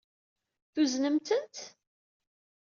Tuznem-tent?